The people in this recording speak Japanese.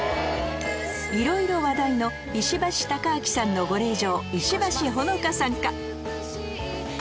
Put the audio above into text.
いろいろ話題の石橋貴明さんのご令嬢石橋穂乃香さんか？